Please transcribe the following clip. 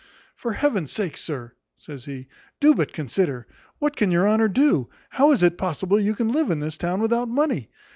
"For heaven's sake, sir," says he, "do but consider; what can your honour do? how is it possible you can live in this town without money?